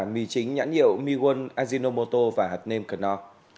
mì chính nhãn hiệu miwon ajinomoto và hạt nêm cần nò